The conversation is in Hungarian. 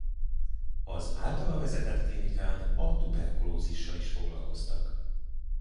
Az általa vezetett klinikán a tuberkulózissal is foglalkoztak.